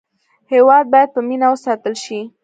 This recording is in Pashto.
هېواد باید په مینه وساتل شي.